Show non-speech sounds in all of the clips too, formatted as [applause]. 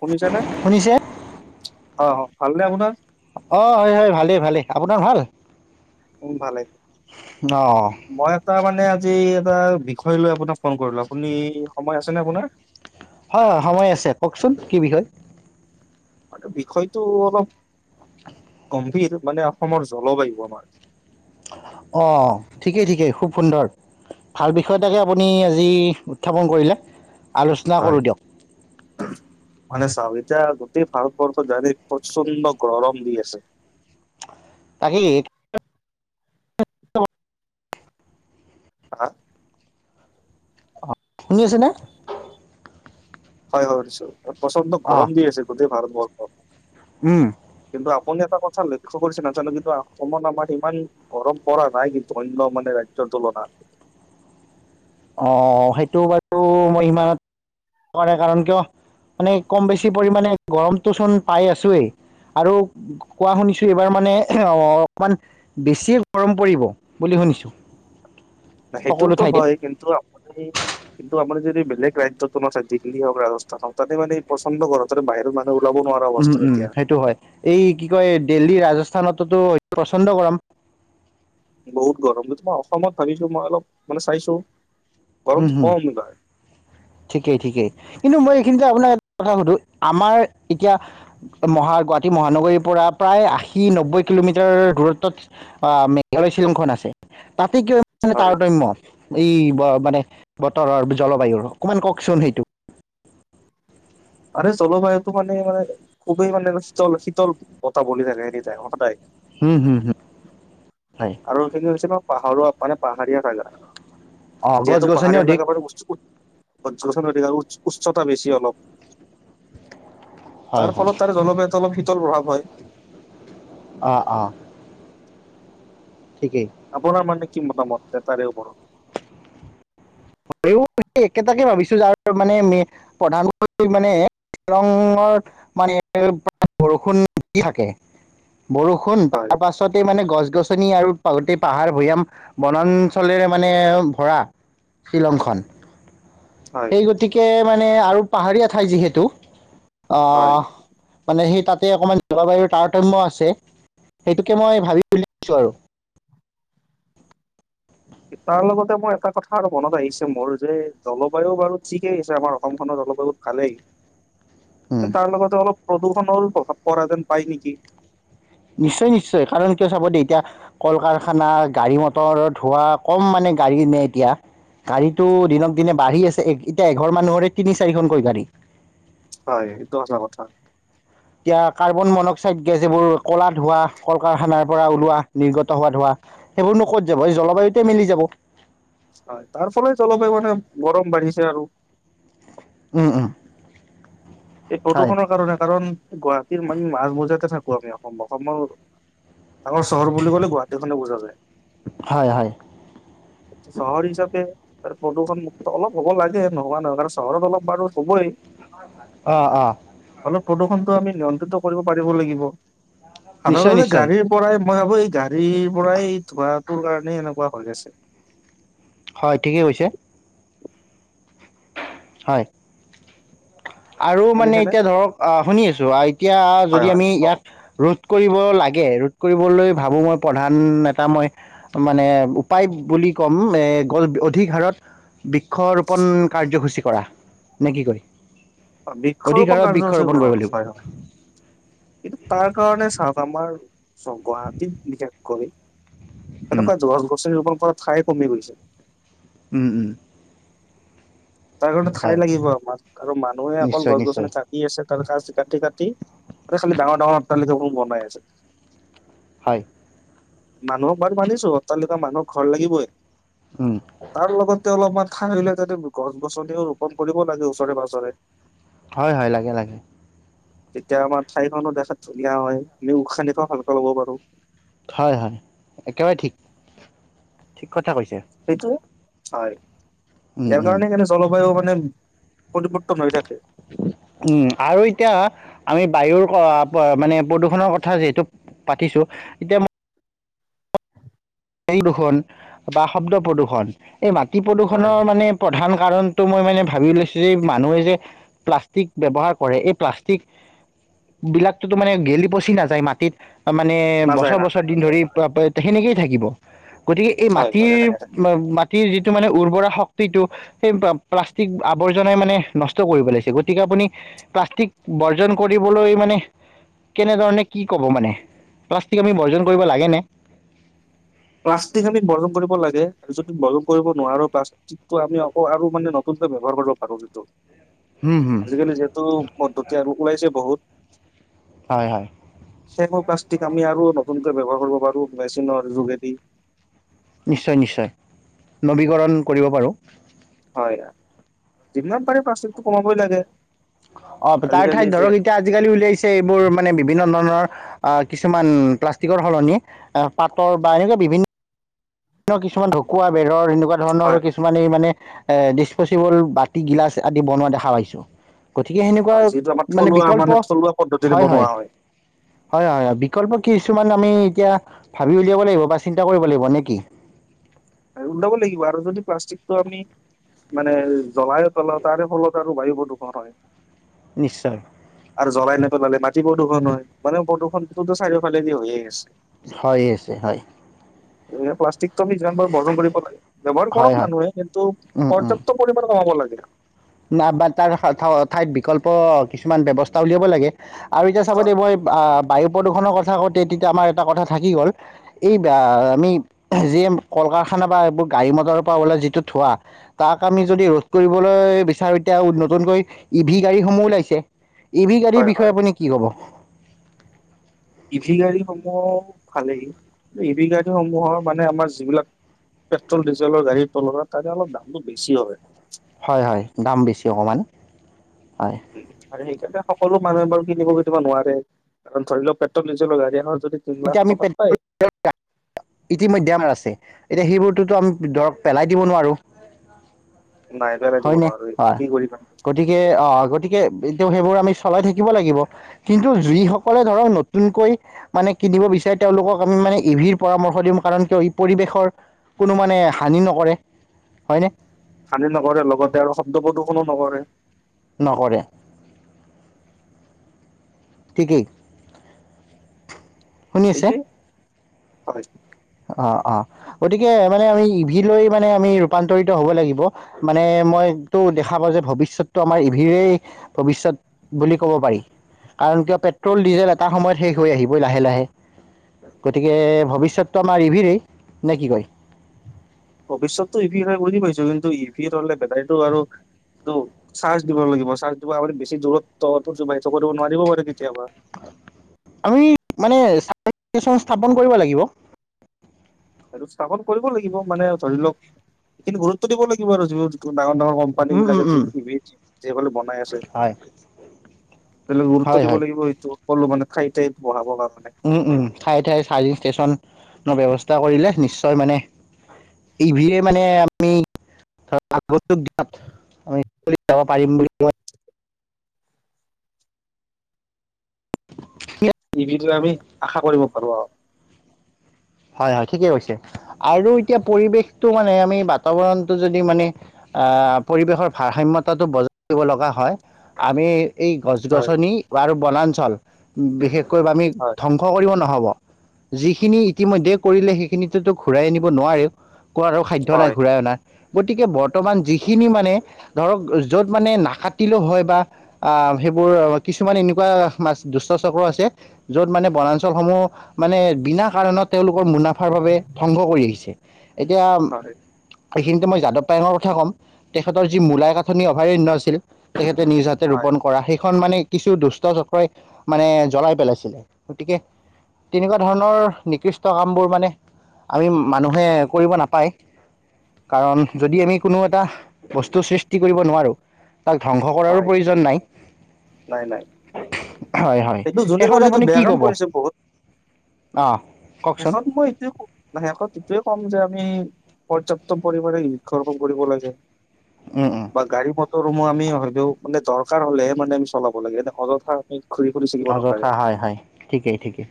শুনিছে নে? শুনিছে অ, ভালনে আপোনাৰ? অ, হয়-হয়। ভালেই, ভালেই। আপোনাৰ ভাল? উম ভালেই, অঁ মই এটা মানে আজি এটা বিষয় লৈ আপোনাক ফোন কৰিলোঁ। আপুনি- সময় আছেনে আপোনাৰ? হয়, সময় আছে। কওঁকচোন কি বিষয়? ম বিষয়টো অলপ গম্ভীৰ মানে অসমৰ জলবায়ু আমাৰ অ' ঠিকেই - ঠিকেই। খুব সুন্দৰ। ভাল বিষয় এটাকে আপুনি আজি উত্থাপন কৰিলে। আলোচনা কৰোঁ হয়। দিয়ক। মানে চাওক। এতিয়া গোটেই ভাৰতবৰ্ষ গাৰিত প্ৰচণ্ড গৰম দি আছে। [inaudible] তাহিদ [inaudible] হা? শুই আছেনে? হয়, হয় শুনিছোঁ, প্ৰচণ্ড অঁ গৰম দি আছে গোটেই ভাৰতবৰ্ষত। উম। কিন্তু আপুনি এটা কথা লক্ষ্য কৰিছে নাজানো। কিন্তু অসমত আমাৰ ইমান গৰম পৰা নাই, কিন্তু অন্য মানে ৰাজ্যত তুলনা অ, সেইটো বাৰু মই ইমানত পৰে কাৰণ কিয় মানে কম বেছি পৰিমানে গৰমটো চোন পাই আছোৱেই। আৰু কোৱা শুনিছো এইবাৰ মানে অকমান বেছি গৰম পৰিব বুলি। শুনিছোঁ। সকলো সেইটোতো ঠাইতে হয়। কিন্তু আপুনি- কিন্তু আপুনি যদি বেলেগ ৰাজ্যতো [unintelligible] দিল্লী হওঁক, ৰাজস্থান হওঁক, তাতে মানে পচন্দ গৰম। তাতে বাহিৰৰ মা উম, উম। সেইটো হয়। এই কি কয় দিল্লী, ৰাজস্থানতোতো পচন্দ গৰম। বহুত গৰম। সেইটো মই অসমত ভাবিছোঁ, মই অলপ মানে চাইছোঁ উম, হুম। ঠিকেই, ঠিকেই। কিন্তু মই এইখিনিতে আপোনাক এটা কথা সুধো, আমাৰ এতিয়া মহা- গুৱাহাটী মহানগৰীৰ প্ৰায় আশী নব্বৈ কিলোমিটাৰ দূৰত্বত আঁ মেঘালয় শ্বিলংখন আছে। তাতে কিয় মানে হয় তাৰতম্য এই মানে বতৰৰ জলবায়ুৰ অকমান কওকচোন সেইটো? তাৰে জলবায়ুতটো মানে মানে খুবেই মানে শীতল, শীতল বতাহ বলি থাকে এনিটাইম সদাই। হুম - হুম - হুম। হয়। আৰু সেইখিনি হৈছে পাহাৰোৱা মানে পাহাৰীয়া অ' জাগা। গছ যিহেতু গছনিও পাহাৰীয়া অধিক জেগাবোৰ। [inaudible] উ উচ্চতা বেছি অলপ। হয় তাৰ হয়। ফলত তাৰে জলবায়ুত অলপ শীতল প্ৰভাৱ হয়। অ অ। ঠিকেই। আপোনাৰ মানে কি মতামত তে তাৰে ওপৰত। সেই একেটাকে ভাবিছো যাৰ মানে প্ৰধানমন্ত্ৰী মানে শ্বিলঙৰ মানে প্ৰায় বৰষুণ দি থাকে। বৰষুণ হয় তাৰ পাছতে মানে গছ। গছনি আৰু গোটেই পাহাৰ ভৈয়াম বনাঞ্চলেৰে মানে ভৰা। শ্বিলংখন, হয় সেই গতিকে মানে আৰু পাহাৰীয়া ঠাই যিহেতু হয় অহ। মানে সেই তাতে অকণমান জলবায়ুৰ তাৰতম্য আছে সেইটোকে মই ভাবি বুলিছো আৰু। তাৰ লগতে মই এটা কথা আৰু মনত আহিছে মোৰ যে জলবায়ু বাৰু ঠিকেই হৈছে আমাৰ অসমখনৰ। অলপ আগত খালেই। উম কিন্তু তাৰ লগতে অলপ প্ৰদূষণৰো প্ৰভাৱ পৰা যেন পায় নেকি। নিশ্চয় নিশ্চয় কাৰণ কিয় চাব দেই এতিয়া কল কাৰখানা গাড়ী মটৰ ধোৱা কম মানে। গাড়ী নে এতিয়া। গাড়ীতো দিনক দিনে বাঢ়ি আছে এতিয়া এঘৰ মানুহৰে তিনি চাৰিখনকৈ গাড়ী। হয় এইটো এটা কথা। এতিয়া কাৰ্বন মনক্সাইড গেছ এইবোৰ কলা ধোৱা কল কাৰখানাৰ পৰা ওলোৱা নিৰ্গত হোৱা ধোৱা। সেইবোৰ নো ক'ত যাব এই জলবায়ুতে মিলি যাব। হয় তাৰ ফলত জলবায়ু মানে গৰম বাঢ়িছে আৰু। উম উম। এই হয় প্ৰদূষণৰ কাৰণে কাৰণ গুৱাহাটীৰ মানে মাজ মজাতে থাকো। আমি অসম অসমৰ ডাঙৰ চহৰ বুলি ক'লে গুৱাহাটী খনে বুজা যায়। হয় হয় চহৰ হিচাপে। প্ৰদূষণমুক্ত অলপ হ'ব লাগে নোহোৱা নহয় কাৰণ চহৰত অলপ বাৰু হ'বই। অহ অ। ত প্ৰদূষণতো আমি নিয়ন্ত্ৰিত কৰিব পাৰিব লাগিব। নিশ্চয় সাধাৰণতে নিশ্চয় গাড়ীৰ পৰাই মই ভাবো এই গাড়ীৰ পৰাই ধোৱাটোৰ কাৰণে এনেকোৱা হৈ আছে হয় ঠিকেই কৈছে। হয়। আৰু মানে শুনিছেনে? এতিয়া ধৰক আহ শুনি আছো এতিয়া হয় যদি হয়। আমি কওক। ইয়াত ৰ'দ। ৰোধ কৰিব লাগে ৰোধ কৰিবলৈ ভাবো মই এ প্ৰধান এটা মই মানে উপায় বুলি কম এই গল অধিক হাৰত বৃক্ষৰোপণ কাৰ্যসূচী কৰা। নে কি কয়? বৃক্ষ অধিক ৰোপন হাৰত কাৰ্য আছে বৃক্ষৰোপণ কৰিব লাগিব হয় হয়। কিন্তু তাৰ কাৰণে চাওক আমাৰ চ গুৱাহাটীত বিশেষকৈ উম এনেকোৱা গছ গছনি ৰূপন কৰা ঠাই কমি গৈছে। উম উম। তাৰ কাৰণে ঠাই হয় লাগিব আমাক আৰু মানুহে অকল নিশ্চয় গছ নিশ্চয় গছনি কাটি আছে। ক কাটি কাটি ত খালি ডাঙৰ ডাঙৰ অট্টালিকা ৰুম বনাই আছো। হয়। মানুহক বাৰু মানিছো অট্টালিকা মানুহক ঘৰ লাগিবই উম তাৰ লগতে অলপমান। খাই পেলাই তাতে গছ গছনিও ৰোপন কৰিব লাগে ওচৰে পাজৰে। হয় হয় লাগে লাগে। তেতিয়া আমাৰ ঠাইখনো দেখাত ধুনীয়া হয় আমি উশাহ নিশাহ ভালকে ল'ব পাৰো। হয় হয় একেবাৰে ঠিক ঠিক কথা কৈছে। সেইটোয়ে হয় উম ইয়াৰ উম কাৰণে কিন্তু জলবায়ু মানে প্ৰতিপৰ্তন হৈ থাকে। উম আৰু এতিয়া আমি বায়ুৰ মানে প্ৰদূষণৰ কথা যিহেতু পাতিছো এতিয়া ম প্ৰদূষণ বা শব্দ প্ৰদূষণ, এই মাটি হয় প্ৰদূষণৰ মানে প্ৰধান কাৰণটো মই মানে ভাবি ওলাইছো যে মানুহে যে প্লাষ্টিক ব্যৱহাৰ কৰে এই প্লাষ্টিক বিলাকটোতো মানে গেলি পচি নাযায় মাটিত মানে নাযায় বছৰ নাযায় বছৰ দিন নাযায় ধৰি হয় পা পা সেনেকেই থাকিব। গতিকে এই হয় হয়। মাটিৰ মাটিৰ যি মানে উৰ্বৰা শক্তিটো সেই প্লাষ্টিক আৱৰ্জনাই মানে নষ্ট কৰিব পেলাইছে গতিকে আপুনি প্লাষ্টিক বৰ্জন কৰিবলৈ মানে কেনেধৰণে কি ক'ব মানে, প্লাষ্টিক আমি বৰ্জন কৰিব লাগেনে? প্লাষ্টিক আমি বৰ্জন কৰিব লাগে আৰু যদি বৰ্জন কৰিব নোৱাৰো প্লাষ্টিক আমি আকৌ আৰু মানে নতুনকে ব্যৱহাৰ কৰিব পাৰো যিটো হুম হুম আজিকালি যিহেতু পদ্ধতি আৰু ওলাইছে বহুত হয় হয়। সেইবোৰ প্লাষ্টিক আমি আৰু নতুনকৈ ব্যৱহাৰ কৰিব পাৰো মেচিনৰ যোগেদি। নিশ্চয় নিশ্চয় নবীকৰণ কৰিব পাৰো। হয় যিমান পাৰে প্লাষ্টিকটো কমাবই লাগে। অ তাৰ আজিকালি ঠাইত ধৰক যিহেতু এতিয়া আজিকালি উলাইছে এইবোৰ মানে বিভিন্ন ধৰণৰ অ কিছুমান প্লাষ্টিকৰ সলনি পাতৰ বা এনেকোৱা বিভিন্ন কিছুমান ঢকুৱা বেৰৰ এনেকোৱা ধৰণৰ হয় হয় কিছুমান এই মানে এ ডিচপচিবল বাতি গিলাচ আদি বনোৱা দেখা পাইছো। গতিকে হয়, সেনেকোৱা যিহেতু আমাৰ মানে থলুৱা বিকল্প থলুৱা পদ্ধতিৰে হয় হয়। বনোৱা হয় হয় হয় বিকল্প কি কিছুমান আমি এতিয়া ভাবি উলিয়াব লাগিব বা চিন্তা কৰিব লাগিব নে কি? ওলাব লাগিব আৰু যদি প্লাষ্টিকটো আমি মানে জ্বলাই তলাও তাৰে ফলত তো বায়ু প্ৰদূষণ হয়। নিশ্চয়। আৰু জ্বলাই নেপেলালে মাটি প্ৰদূষণ হয়, মানে প্ৰদূষণ তো চাৰিওফালেদি হৈয়ে আছে। হয় আছে হয়। প্লাষ্টিক যান বৰ্জন কৰিব লাগে ব্যৱহাৰ হয় কৰক হয় মানুহে কিন্তু পৰ্যাপ্ত পৰিমানে কমাব লাগে আৰু। ন বা তাৰ ঠাইত বিকল্প কিছুমান ব্যৱস্থা উলিয়াব লাগে। আৰু এতিয়া চাব দে হয় মই আহ বায়ু প্ৰদূষণৰ কথা কওঁতে তেতিয়া আমাৰ এটা কথা থাকি গ'ল, এই আমি যি কাৰখানা বা এইবোৰ গাড়ী মটৰৰ পৰা ওলাই যিটো ধোৱা, তাক আমি যদি ৰোধ কৰিবলৈ বেছি এতিয়া নতুনকৈ ই ভি গাড়ীসমূহ ওলাইছে, ই ভি গাড়ীৰ হয় বিষয়ে হয় আপুনি কি কব? ই ভি গাড়ীসমূহ ভালেই, ই ভি গাড়ীসমূহৰ মানে আমাৰ যিবিলাক পেট্ৰল, ডিজেলৰ গাড়ীৰ তলত তাৰে অলপ দামটো বেছি হয়। হয় হয় দাম বেছি অকণমান হয়। এতিয়া সকলো মানুহে বাৰু কিনিব পতিব নোৱাৰে কাৰণ ধৰি লও পেট্ৰল, ডিজেলৰ গাড়ী এখন এতিয়া আমি পেট্ৰল ইতিমধ্যে আমাৰ আছে। এতিয়া সেইবোৰতো আমি ধৰক পেলাই দিব নোৱাৰোঁ। নাই পেলাই দিব হয় নে নোৱাৰো এইবিলাক হয় কি কৰিবা গতিকে অ গতিকে সেইবোৰ আমি চলাই থাকিব লাগিব কিন্তু যিসকলে ধৰক নতুনকৈ মানে কিনিব বিচাৰে তেওঁলোকক আমি মানে ই ভিৰ পৰামৰ্শ দিওঁ কাৰণ কিয় ই পৰিবেশৰ কোনো মানে হানি নকৰে। হয়নে? হানি নকৰে লগতে আৰু শব্দ প্ৰদূষণো নকৰে। নকৰে ঠিকেই। শুনি আছে? সেইটোৱে হয়। অ অ গতিকে মানে আমি ই ভি লৈ মানে আমি ৰূপান্তৰিত হব লাগিব মানে মইটো দেখা পাওঁ যে ভৱিষ্যতটো আমাৰ ইভিৰেই ভৱিষ্যত বুলি ক'ব পাৰি। কাৰণ কিয় পেট্ৰল ডিজেল এটা সময়ত শেষ হৈ আহিব লাহে লাহে। গতিকে ভৱিষ্যত টো আমাৰ ইভিৰেই নে কি কয়? ভৱিষ্যতটো ইভিৰ বুজি পাইছো কিন্তু ইভিৰ হলে বেটাৰীটো আৰু ত চাৰ্জ দিব লাগিব চাৰ্জ দিব বেছি দূৰত্ব কৰিব নোৱাৰিব পাৰে কেতিয়াবা [unintelligible] আমি মানে চাৰভিন স্থাপন কৰিব লাগিব। সেইটো স্থাপন কৰিব লাগিব মানে ধৰি লওক এইখিনি গুৰুত্ব দিব লাগিব আৰু [unintelligible] ডাঙৰ ডাঙৰ কোম্পানী উম উম বিলাকে যি উম ই যিলে বনাই আছে। হয় তেওঁ লোক গুৰুত্ব হয় দিব হয় লাগিব সেইটো সকলো মানে ঠাই ঠাই বহাব কাৰনে উম উম ঠায়ে ঠায়ে চাৰ্জিং ষ্টেচন ন ব্যৱস্থা কৰিলে নিশ্চয় মানে ইভিয়ে মানে আমি আমি যাব পাৰিম বুলি ক [unintelligible] [unintelligible] ইভিৰ টো আমি আশা কৰিব পাৰোঁ আৰু হয় হয় ঠিকে কৈছে আৰু এতিয়া পৰিৱেশটো মানে আমি বাৰ্তাবৰণতটো যদি মানে পৰিৱেশৰ ভাৰসাম্যতাটো বজাই ৰাখিব লগা হয়, আমি এই গছ হয় গছনি আৰু বনাঞ্চল বিশেষকৈ আমি হয় ধ্বংস কৰিব নোৱাৰো হব যিখিনি ইতিমধ্যে কৰিলে সেইখিনি ঘূৰাই আনিব নোৱাৰে। কোৱা আৰু সাধ্য নাই হয় ঘূৰাই অনা গতিকে বৰ্তমান যিখিনি মানে ধৰক য'ত মানে নাকাতিলেও হয় বা আহ বোৰ কিছুমান এনেকুৱা মাজ দুষ্ট চক্ৰ আছে যত মানে বনাঞ্চল সমূহ মানে বিনা কাৰণত তেওঁলোকৰ মুনাফাৰ বাবে ধ্বংস কৰি আহিছে এতিয়া হয় এইখিনিতে মই যাদৱ পায়ঙৰ কথা ক'ম তেখেতৰ যি মূলায় কাথনি অভয়াৰণ্য আছিল তেখেত নিজ যাতে হয় ৰোপণ কৰা সেই খন মানে কিছু দুষ্ট চক্ৰই মানে জ্বলাই পেলাইছে, গতিকে তেনেকুৱা ধৰণৰ নিকৃস কামবোৰ মানে আমি মানুহে কৰিব নাপায়। কাৰণ যদি আমি কোনো এটা বস্তুৰ সৃষ্টি কৰিব নোৱাৰোঁ তাক ধ্বংস কৰাৰো হয় প্ৰয়োজন নাই। নাই নাই হয় হয় এইটো যোনে শেষত কৰিছে এইটো আপুনি বেয়া কি কাম কব কৰিছে বহুত আহ? শেষত মই এইটোয়ে ক শেষত এইটোৱেই ক'ম যে আমি পৰ্যাপ্ত পৰিমাণে বৃক্ষ ৰোপণ কৰিব লাগে। উম উম বা গাড়ী ম মটৰ সমূহ আমি হয়তো মানে দৰকাৰ হলেহে মানে আমি চলাব লাগে অযথা আমি ঘূৰি ফুৰি থাকিব নালাগে অযথা হয় হয় ঠিকেই ঠিকেই।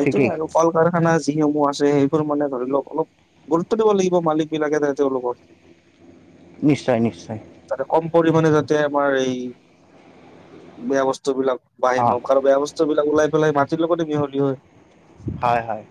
সেইটোৱে ঠিকেই আৰু কল কাৰ খানা যিসমূহ আছে সেইবোৰ মানে ধৰি লওক অলপ গুৰুত্ব দিব লাগিব মালিক বিলাকে ধৰা তেওঁলোকৰ [unintelligible] নিশ্চয় নিশ্চয়। তাতে কম পৰিমাণে যাতে আমাৰ এই বেয়া বস্তু বিলাক বাহিৰ অঁ ন কাৰো বেয়া বস্তুবিলাক ওলাই পেলাই মাটিৰ লগতে মিহলি হয়। হয় হয়।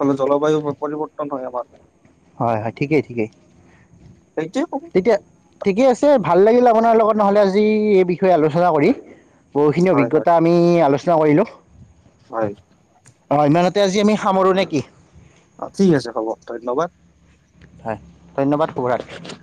ফলত জলবায়ু পৰিৱৰ্তন হয় আমাৰ। হয় হয় ঠিকেই ঠিকেই। সেইটোৱে কম ঠিকে আছে ভাল লাগিল আপোনাৰ লগত নহ'লে আজি এই বিষয়ে আলোচনা কৰি বহুখিনি হয় হয় অভিজ্ঞতা আমি আলোচনা কৰিলো। হয়। অঁক্ষ ইমানতে আজি আমি সামৰোঁ নে কি অ, ঠিক আছে হ'ব ধন্যবাদ। হয়, ধন্যবাদ শুভৰাটি।